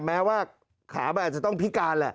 แม้ว่าขามันอาจจะต้องพิการแหละ